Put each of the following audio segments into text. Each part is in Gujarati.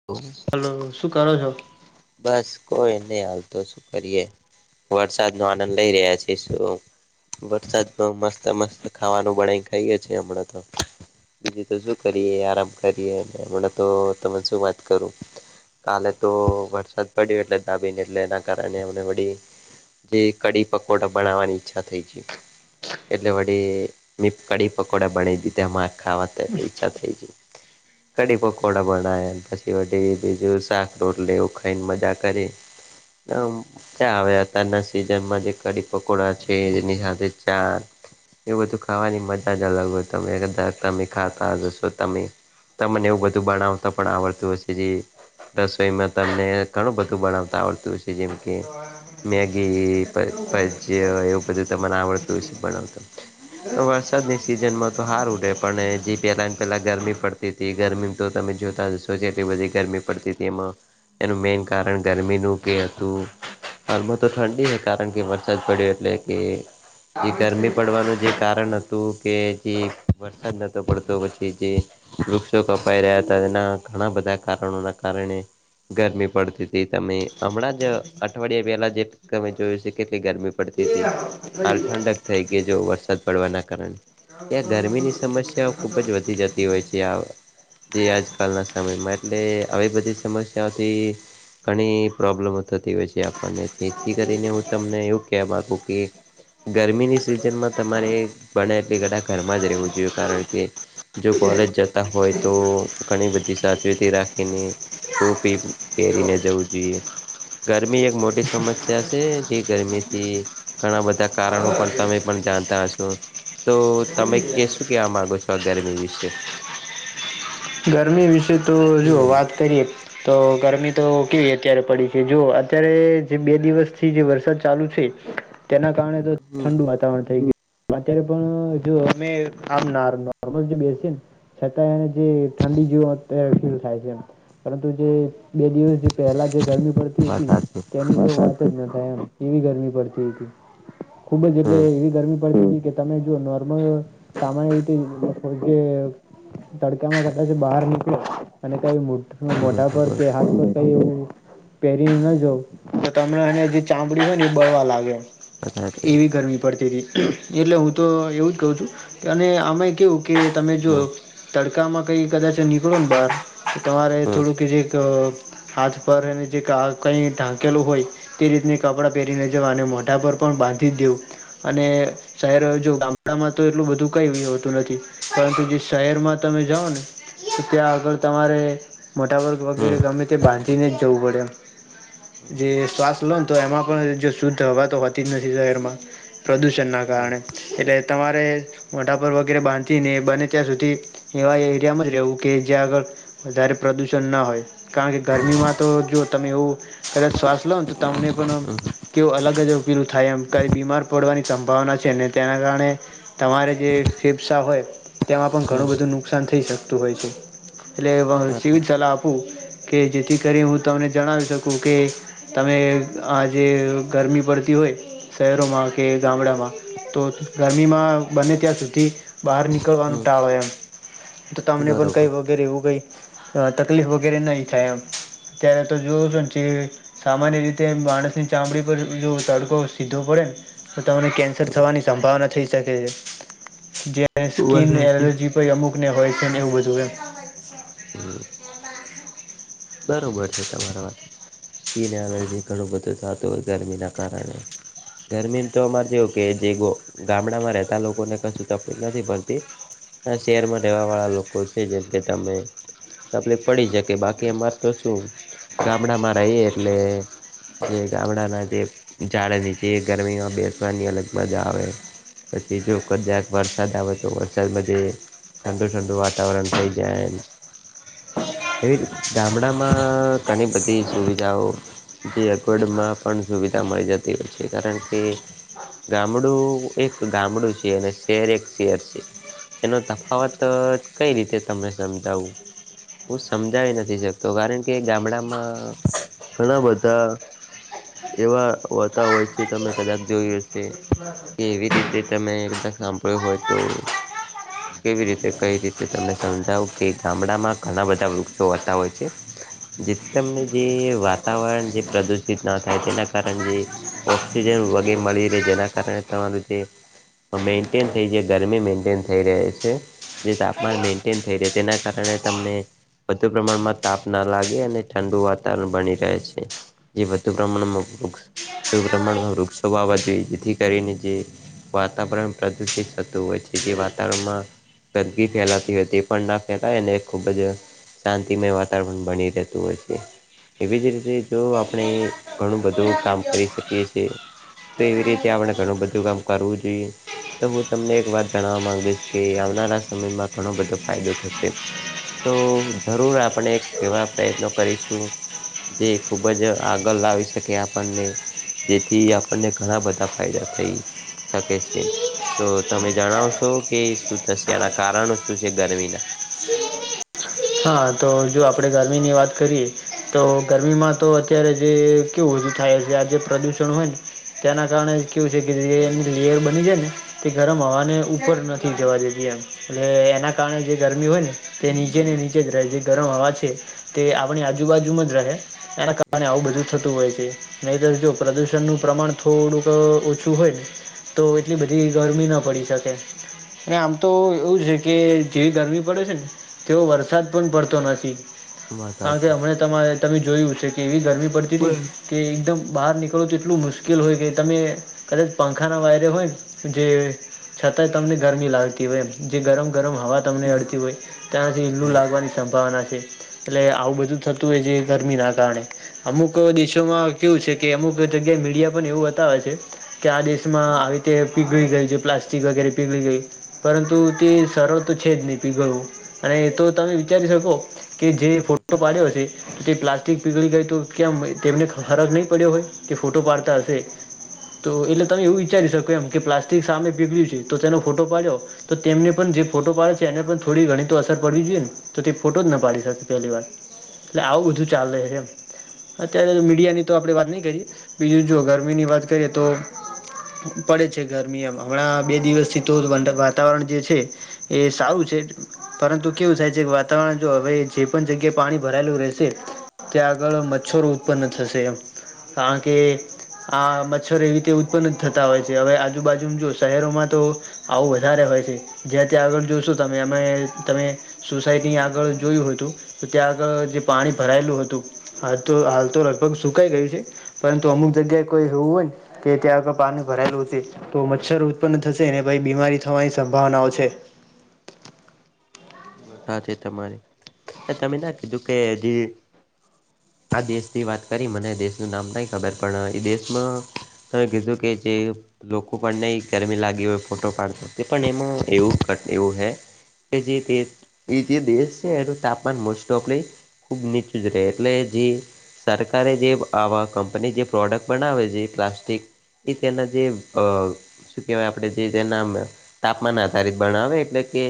[inaudible] હાલો શું કરો છો? બસ કોઈ ની હાલ તો શું કરીએ? વરસાદનો આનંદ લઇ રહ્યા છે, શું વરસાદમાં મસ્ત મસ્ત ખાવાનું બનાય ખાઈએે છે, અમણા તો બીજું તો શું કરીએ આરામ કરીએ હમણાં તો તમે શું વા કરો કાલે તો વરસાદ પડ્યો એટલે દાબીને એટલે એના કારણે [unintelligible] વડી જે કડી પકોડા બનાવવાની ઈચ્છા થઈ છે. એટલે વડી મે કઢી પકોડા બના દીધા એમાં ખાવા એટલે ઈચ્છા થઈ ગઈ કડી પકોડા બનાય પ [unintelligible] બીજું શાક રોટલો એવું ખાઈને મજા કરી ચા અવે અત્યારના સિઝનમાં જે કડી પકોડા છે, એની હાથે ચા એવું બધું ખાવાની મજા જ અલગ હોય તમે કદા તમે ખાતા જશો તમે તમને એવું બધું બણવતા પણ આવડતું હ જે રસોઈમાં તમને ઘણું બધું બનાવતા આવડતું હો છે, જેમ કે મેગી, ભ ભજ્યા એવું બધું તમને આવડતું હોય છે, બનાવતા વરસાદની સિઝનમાં તો હારુ રે પડે જી પેલા ને પેલા ગરમી પડ તી તી ગરમી તો તમે જોતા જશો જે એટલી બધી ગરમી પડતીતી એમાં એનું મેન કારણ ગરમીનું કે હતું હાલમાં તો ઠંડી ને કારણ કે વરસાદ પડ્યો એટલે કે જે ગરમી પડવાનું જે કારણ હતું કે જે વરસાદ નહોતો પડતો પછી જે વૃક્ષો કપાઈ રહ્યા હતા એના ઘણા બધા કારણોના કારણે ગરમી પડતી હતી, તમે હમણાં જ અઠવાડિયા પહેલા જે તમે જોયું છે તે કેટલી ગરમી પડતી હતી હાલ ઠંડક થઈ ગઈ જો વરસાદ પડવાના કારણે, એ ગરમીની સમસ્યાઓ ખુબ જ વધી જતી હોય છે, આ જે આજકાલના સમયમાં એટલે આવી બધી સમસ્યાઓથી ઘણી પ્રોબ્લેમો થતી હોય છે આપણને જેથી કરીને હું તમને એવું કેવા માગું કે ગરમીની સિઝનમાં તમારે બને એટલી ઘટા ઘરમાં જ રહેવું જોઈએ કારણ કે જો કોલેજ જતા હોય તો ઘણી બધી સાવ- -ચેતી રાખીને ટોપી પહેરીને જવું જોઈએ, ગરમી એક મોટી સમસ્યા છે, જે ગરમીથી ઘણા બધા કારણો પણ તમે પણ જાણતા હશો. તો તમે કે શું કેવા માગો છો આ ગરમી વિશે, ગરમી વિશે તો જો હમ વાત કરીએ તો ગરમી તો કેવી અત્યારે પડી છે જો અત્યારે જે બે દિવસથી જે વરસાદ ચાલુ છે. તેના કારણે તો હમ ઠંડુ વાતાવરણ થઈ ગયું. અત્યારે પણ જો અમે આમ નાર્મ અમે જે બેસીએને છતાં એ જે ઠંડી જેવું અત્યારે ફીલ થાય છે એમ પરંતુ જે બે દિવસ જે પહેલા જે ગરમી વાત પડતી સાચી તેની વાત જ ન થાય એમ એવી ગરમી પડતી હતી. ખુબ જ એટલે હમ એવી ગરમી પડતી કે તમે જો નોર્મલ સામાન્ય રીતે કે જો તડકામાં કદાચ બહાર નીકળો અને કઈ બરોબર મોટા પર કે હાથ પર કઈ એવું પહેરીને ના જવ તો તમને એ જે ચામડી હોય ને એ બળવા લાગે, વાત સાચી એવી ગરમી પડતી હતી એટલે હું તો એવું જ કહું છું કે અને આમય કેવું કે તમે જો હમ તડકામાં કઈ કદાચ કળો બહાર તો તમારે હમ થોડુંક જે એક હાથ પર એને જે કા કઈ ઢાંકેલું હોય, તે રીતના કપડાં પહેરીને જવા અને મોઢા પર પણ બાંધી જ દેવું અને શહેર જો ગામડામાં તો એટલું બધું કઈ હોતું નથી પરંતુ જે શહેરમાં તમે જાઓ ને તો ત્યાં આગળ તમારે મોટા વર્ગ હમ વગેરે ગમે તે બાંધીને જ જવું પડે, હમ જે શ્વાસ લો તો એમાં પણ જો શુદ્ધ હવા તો હોતી જ નથી શહેરમાં, પ્રદૂષણના હમ કારણે એટલે તમારે મોઢા પર વગેરે બાંધીને બને ત્યાં સુધી કેમ જ રહેવું કે જ્યાં આગળ વધારે પ્રદુષણ ના હોય, કારણ કે બરોબર વાત ગરમીમાં તો જો તમે એવું કદાચ શ્વાસ લો ને તો તમને પણ કેવું અલગ જ ફિલ થાય એમ કંઇ બીમાર પડવાની સંભાવના છે ને તેના કારણે તમારે જે ફેફસા હોય તેમાં પણ ઘણું બધું નુકસાન થઈ શકતું હોય છે એટલે સીવિત સાચી. સલાહ આપુ કે જેથી કરી હું તમને જણાવી શકું કે તમે આ જે ગરમી પડતી હોય શહેરોમાં કે ગામડામાં તો ગરમીમાં બને ત્યાં સુધી બહાર નીકળવાનું ટાળો એમ, તો તમને પણ કઈ વગેરે એવું કઈ તકલીફ વગેરે નહી થાય એમ, અત્યારે તો જોવો છો ને કેવી સામાન્ય રીતે માણસની ચામડી પર બીજું તડકો સીધો પડે ને તો તમને કેન્સર થવાની સંભાવના થઈ સકે છે. જે એ સ્કિન એલર્જી ભઈ અમુકને હોય છે, ને એવુ બધુ એમ. બરોબર છે, તમારા વાત. કીન એલર્જી ઘણું બધુ થાતુ હોય ગરમીના કારણે. ધરમીન તો અમારે જેવું કે, જે ગો ગામડામાં રેહતા લોકોને કસુ તફલીક નથી પડતી. આ શેરમાં રેવા વાળા લોકો છે. જેમ કે, તમે તફલીક પડી શકે બાકી એમાર તો શું ગામડામાં રઈએ એટલે જે ગામડાના જે જાડ નીચે ગરમીમાં બેસવાની અલગ મજા આવે. પછી જો કદાચ વરસાદ આવે, તો વરસાદમાં જે ઠંડુ-ઠંડુ વાતાવરણ થઈ જાય. એવી ગામડામાં ઘણી બધી સુવિધાઓ જે અગવડમાં પણ સુવિધા મળી જતી હોય છે. કારણ કે, ગામડું એક ગામડું છે અને શેર એક શેર છે. એનો તફાવત કઈ રીતે તમને સમજાવું? હું સમજાવી નથી શ તો કારણ કે ગામડામાં ઘણા બધા એવા વતા ઓય છે, તમે કદાચ જોયુ હસે. કે એવી રીતે તમે જાક હાંભળ્યું હોય તો કેવી રીતે, કઈ રીતે તમને સમજાવું કે ગામડામાં ઘણા બધા વૃક્ષો અતા ઓય જેથી તમને જે વાતાવરણ જે પ્રદુષિત ન થાય તેના કારણ જે ઑક્સિજન વગે મળી રે, જેના કારણે તમારુ જે અ મેન્ટેન થઈ જાય, ગરમી મેન્ટેન થઈ રહે છે. જે તાપમાન મેન્ટેન થઈ રે, તેના કારણે તમને વધુ પ્રમાણમા તાપ ના લાગે અને ઠંડુ વાતાવરણ બની રહે છે, જે વધુ પ્રમાણમાં ઉક્સ્ ધુ પ્રમાણમાં વૃક્ષો વાવા જોઈએ, જેથી કરીને જે વાતાવરણ પ્રદુષિત થતું ઓય છે, જે વાતાવરણમાં ગંદગી ફેલાતી અતી પન ના ફેલાય અને ખુબ જ શાંતિમય વા તાવરણ બની રેતું ઓય છે. એવી જ રીતે જો આપણે ઘણું બધું કામ કરી શકીએ છીએ. તે એવી રીતે આપણે ઘણું બધું કામ કરવું જોઈએ. તો હું તમને એક વાત જાણવા માંગીસ કે, આવનારા સમયમાં ઘણો બધો ફાયદો થસે. તો જરૂર આપણે એક એવા પ્રયત્નો કરીશું જે ખુબ જ આગળ લાવી શકે, આપને જેથી આપણને ઘણા બધા ફાયદા થઈ શકે છે. તો તમે જણાવશો કે, શું થશે એના કારણો સુ સે ગરમીના હા, તો જો આપણે ગરમીની વાત કરીએ. તો ગરમીમાં તો અત્યારે જે કેઉ વધુ થાય આ છે, આ જે પ્રદૂષણ હોય ન તેના કારણે કેવું છે કે, જે એમ્ની લેયર બની જાય ને તે ગરમ હવાને ઉપર નથી જવા દેતી એમ. એટલે એના કારણે જે ગરમી ઓય ને તે નીચે ને નીચે જ રહે છે, ગરમ હવા છે. તે આપણી આજુબાજુમાં જ રહે, એના કારણે આવું બધું થતું ઓય છે. નહીતર, જો પ્રદૂષણનું પ્રમાણ થોડુંકઅ ઓછું હોય તો એટલી બધી ગરમી ન પડી શકે. ને આમ તો એવું છે કે, જેવી ગરમી પડે છે ન તેવો વરસાદ પણ પડતો નથી. વાત કાણ કે, હાચી અમણે તમાયે તમે જોયું છે કે એવી ગરમી પડતી તી ન. કે એકદમ બહાર નીકળો, તો એટલું મુશ્કેલ હોય કે તમે કદાચ પંખા ના વાયરે હોય, જે છતાંય તમને ગરમી લાગતી હોય એમ જે ગરમ ગરમ હવા તમને અડતી હોય ત્યાંથી ઈ લું લાગવાની સંભાવના છે, એટલે આવું બધું થતું હોય છે, ગરમીના કારણે અમુક દેશોમાં કેવું છે, કે અમુક જગ્યાએ મીડિયા પણ એવું બતાવે છે. કે આ દેશમાં આવી રીતે પીગળી ગય છે, પ્લાસ્ટિક વગેરે પીગળી ગય પરંતુ તે સરળ તો છે, જ નહી પીગળવું અને એ તો તમે વિચારી શકો કે જે ફોટો પાડ્યો છે. તે પ્લાસ્ટિક પીગળી ગઈ તો ક્યામ તેમને ફરક નહી પડ્યો હોય કે ફોટો પાડતા હશે તો એટલે તમે એવું વિચારી શકો એમ કે પ્લાસ્ટિક સામે પીગળ્યું છે. તો તેનો ફોટો પાડ્યો તો તેમને પણ જે ફોટો પાડે છે, એને પણ થોડી ઘણી તો અસર પડવી જોઈએ ને તો તે ફોટો જ ન પાડી શકશે પહેલી વાર એટલે આવું બધું ચાલે એમ અત્યારે મીડિયાની તો આપણે વાત નહી કરીએ બીજું જો ગરમીની વાત કરીએ તો પડે છે, રમી એમ હમણાં બે દિવસથી [unintelligible] વાતાવરણ જે છે. એ સારું છે, પરંતુ કેવું થાય જે વાતાવરણ જો હવે જે પણ જગ્યાએ પાણી ભરાયેલું રહેશે ત્યાં આગળ મચ્છર ઉત્પન્ન થશે એમ કારણ કે આ મચ્છર એવી રીતે ઉત્પન થતા હોય છે, હવે આજુબાજુ જો શહેરોમાં તો આવું વધારે હોય છે, જ્યાં ત્યાં આગળ જોઈશું તમે અમે તમે સોસાયટી આગળ જોયું હતુ ત્યાં આગળ જે પાણી ભરાયલુ હતું. હા તો હાલ તો લગભગ સુકાઈ ગયું છે. પરંતુ અમુક જગ્યાએ કોઈ એવું હોય ને કે ત્યાં આગળ પાણી ભરાયેલું છે. તો મચ્છર ઉત્પન્ન થશે [unintelligible] બીમારી થવાની સંભાવનાઓ છે. વાત હાચી તમારી ને તમે ના કીધું કે જે આ દેશથી વાત કરી મને દેશનું નામ નહી ખબર પણ એ દેશમાં તમે કીધું કે જે લોકો પણ નહીં ગરમી લાગી હોય ફોટો પાડતા તે પણ એમાં એવું ક એવું હૈ એ જે તે એ જે દેશ છે, એનું તાપમાન મોસ્ટ ઓફલી ખૂબ નીચું જ રે એટલે જે સરકારે જે આવા કંપની જે પ્રોડક્ટ બનાવે જે પ્લાસ્ટિક એ તેના ને જે અ શું કેવાય આપડે જે નામ તાપમાન આધારિત ભણાવે એટલે કે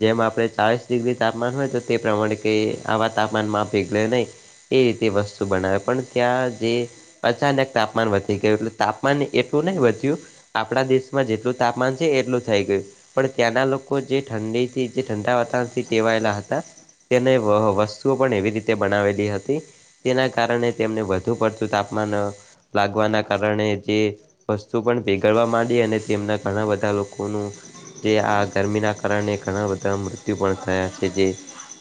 જેમ આપણે બાવીસ ડિગ્રી તાપમાન હોય તો તે પ્રમાણે કે આવા તાપમાનમાં પીગળે નહીં એ રીતે વસ્તુ બનાવે પણ ત્યાં જે અચાનક તાપમાન વધી ગયું એટલે તાપમાન એટલું નહી વધ્યું આપણા દેશમાં જેટલું તાપમાન છે, એટલું થઈ ગયું પણ ત્યાંના લોકો જે ઠંડીથી જે ઠંડા વાતાવરણથી ટેવાયેલા હતા. તેને વહ વસ્તુઓ પણ એવી રીતે બનાવેલી હતી. તેના કારણે તેમને વધુ પડતું તાપમાન લાગવાના કારણે જે વસ્તુ પણ ભેગડવા માંડી અને તેમના ઘણા બધા લોકોનું જે આ ગરમીના કારણે ઘણા બધા મૃ ત્યુ પણ થયા છે, જે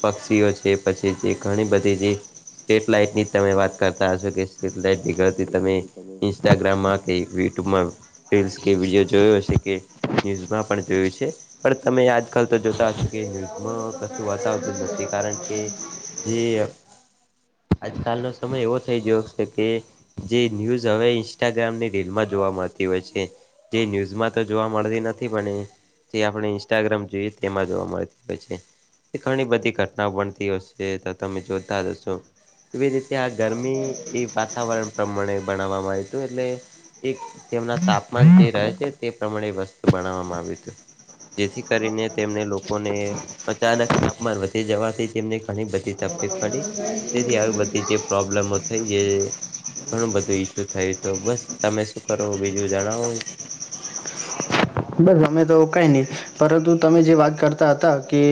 પક્ષીઓ છે, પછી જે ઘણી બધી જે સ્ટ્રીટ લાઈટની તમે વાત કરતા હશો કે સ્ટ્રીટ લાઈટ બિગડતી તમે ઇન્સ્ટાગ્રામમાં કે યુટ્યુબમાં રીલ્સ કે વિડીઓ જોયો હશે કે ન્યુઝમાં પણ જોયું છે, પણ તમે આજકાલ તો જોતા કે ન્યૂઝમાં કશું બતાવતું જ નથી કારણ કે જે આજકાલનો સમય એવો થઈ ગયો છે, કે જે ન્યૂઝ હવે ઇન્સ્ટાગ્રામ ની રીલમાં જોવા મળતી હોય છે. તે ન્યૂઝમાં તો જોવા મળતી નથી પણ તે આપણે ઇન્સ્ટાગ્રામ જોઈએ તેમાં જોવા મળે. છે. ઘણી બધી ઘટનાઓ બનતી હશે તો તમે જોતા જ હશો. એવી રીતે આ ગરમી એ વાતાવરણ પ્રમાણે બણાવામાં આવ્યું હતું એટલે એક તેમના તાપમાન જે રહે છે તે પ્રમાણે વસ્તુ બણાવામાં આવ્યું હતું. જેથી કરીને તેમને લોક લોકો ને અચાનક તાપમાન વધી જવાથી તેમને ઘણી બધી તકલીફ પડી. તેથી આવી બધી જે પ્રોબ્લેમ થઈ જે ઘણું બધું ઈસ્યુ થયું તો. બસ તમે શું કરો બીજું જણાવો. બસ અમે તો કઈ નહી પરંતુ તમે જે વાત કરતા હતા કે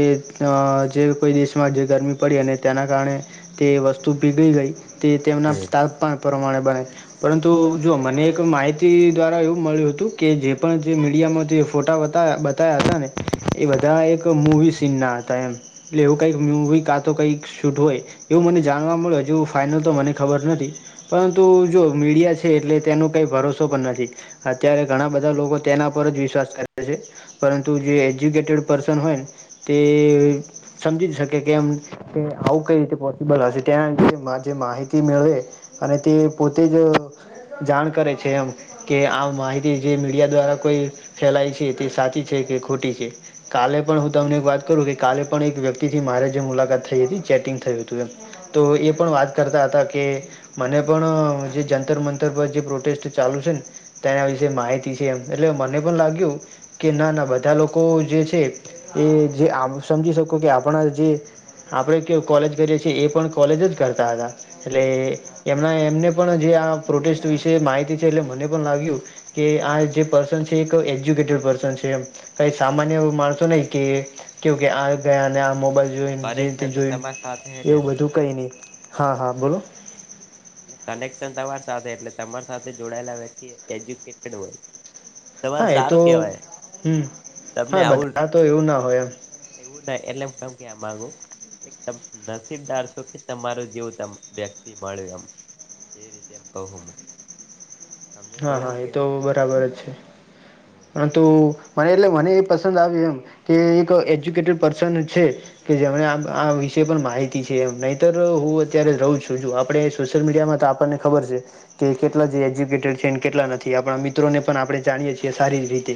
અ જે કોઈ દેશ માં જે ગરમી પડી અને તેના કારણે તે વસ્તુ પીગળી ગઈ તે તેમના હા તાપમાં પ્રમાણે બને. પરંતુ જો મને એક માહિતી દ્વારા એવું મળ્યું હતું કે જે પણ જે મી મીડિયામાં જે ફોટા બતાયા બતાયા હતા ને એ બધા એક મૂવી સીન ના હતા એમ. એટલે એવું કઈક મુવી કા તો કઈક શૂટ હોય. એવું મને જાણવા મળ્યું હજુ ફાાઈનલ તો મને ખબર નથી. પરંતુ જો મીડિયા છે એટલે તેનો કઈ ભરોસો પણ નથી. અત્યારે ઘણા બધા લોકો તેના ઉપર જ વિશ્વાસ કરે છે, પરંતુ જે એજ્યુકેટેડ પર્સન હોય ને તે સમજી જ શકે કેમ કે આવું કઈ રીતે પોસિબલ હશે તેના જે માહિતી મેળવે. અને તે પોતે જ જાણ કરે છે એમ. કે આ માહિતી જે મીડિયા દ્વારા કોઈ ફેલાય છે તે સાચી છે કે ખોટી છે. કાલે પણ હું તમને એક વાત કરું કે કાલે પણ એક વ્યક્તિ થી મારે જે મુલાકાત થઈ હતી. ચેટિંગ થયું હતું એમ. તો એ પણ વાત કરતા હતા કે મને પણ અ જે જંતર મંતર પર જે પ્રોટેસ્ટ ચાલુ છે ને. તેના વિશે માહિતી છે એમ એટલે મને પણ લાગ્યું કે ના -ના બધા લોકો જે છે એ જે આ સમજી શકો કે આપણા જે આપણે કેવું કોલેજ કરીએ છીએ એ પણ કોલેજ જ કરતા હતા, એટલે તો વાત સાચી એમના તમારી એમને પણ જે આ પ્રોટેસ્ટ વિશે માહિતી છે એટલે મને પણ લાવયું કે આ જે પસ પર્સન છે એ એક એજ્યુકેટેડ પર્સન છે કઈ સામાન્ય માણસો નહી કે કેવું કે આ ગયા અને આ મોબાઈલ જોઈને જેથી કનેક્શન તો જોઈને તમારી સાથે હે ને એવું એનું બધું કંઈ નહીં હા- હા બોલો. કનેક્શન તમારી સાથે, એટલે તમારી સાથે જોડાયેલા વ્યક્તિ એક એજ્યુકેટેડ હોય. તમારે હા, એ તો સારું કેવાય હમ, હા તમને આવું બધા તો એવું ના હોય આમ. એવું નઈ એટલે હું તમને એમ કેવા માંગુ. એકદમ નસીબદાર છું કે તમારો જેવો વ્યક્તિ મળ્યું એમ. જે રીતે હું કહુ હા- હા, એ તો બરાબર જ છે. પણ તો મને એટલે મને એ પસંદ આવ્યું એમ કે એક એજ્યુકેટેડ પર્સન જ છે. કે જેમને આ વિશે પણ માહિતી છે એમ નહીતર હું અત્યારે રહું છું આપડે સોશિયલ મીડિયામાં તો આપણને ખબર છે કે કેટલા જે એજ્યુકેટેડ છે ન કેટલા નથી. આપણા મિત્રોને પણ આપણે જાણીએ છીએ સારી રીતે.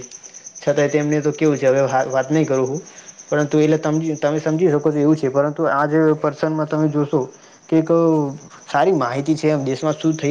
છતાંય તેમને તો કેવું છે હવે હારુ વાત નહી કરું હું. પરંતુ એટલે [unintelligible] તમે સમજી શકો છો એવું છે પરં તો આજ પર્સનમાં તમે જોશો કે કવ સારી માહિતી છે [unintelligible] દેશમાં શું થય